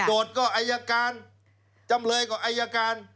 ก็อายการจำเลยก็อายการ